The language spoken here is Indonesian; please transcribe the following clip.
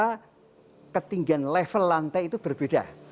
karena ketinggian level lantai itu berbeda